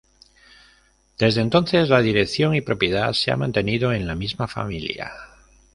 Desde entonces la dirección y propiedad se ha mantenido en la misma familia.